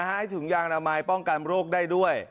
ให้ถุงยางอนามัยป้องกันโรคได้ด้วย